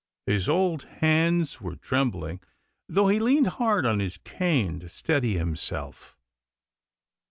His old hands were trem bling, though he leaned hard on his cane to steady himself.